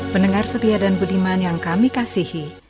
pendengar setia dan budiman yang kami kasihi